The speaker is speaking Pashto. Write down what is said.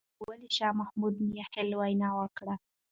والي شاه محمود مياخيل وينا وکړه.